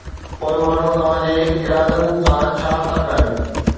پوءِ ماڻهو توهان جي ارادن سان ڇا ٿا ڪن؟